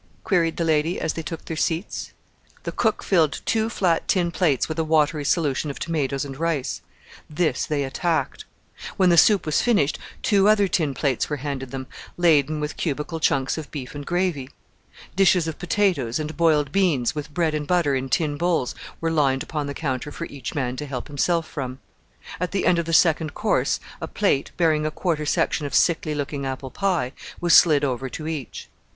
queried the lady as they took their seats. The cook filled two flat tin plates with a watery solution of tomatoes and rice. This they attacked. When the soup was finished two other tin plates were handed them, laden with cubical chunks of beef and gravy. Dishes of potatoes and boiled beans, with bread and butter in tin bowls, were lined upon the counter for each man to help himself from. At the end of the second course a plate, bearing a quarter section of sickly looking apple pie, was slid over to each.